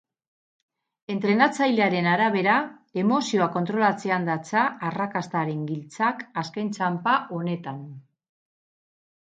Entrenatzailearen arabera, emozioak kontrolatzean datza arrakastaren giltzak azken txanpa honetan.